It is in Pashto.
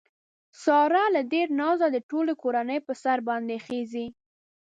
ساره له ډېره نازه د ټولې کورنۍ په سر باندې خېژي.